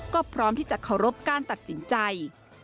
ก็พร้อมที่จะเคารพการตัดสินใจ